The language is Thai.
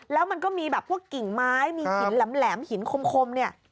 แล้วมันก็มีแบบพวกกิ่งไม้มีหินแหลมหินคมเนี่ย